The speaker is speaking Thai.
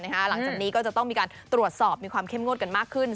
หลังจากนี้ในตรวจสอบมีความเข้มโง่มกันมากขึ้น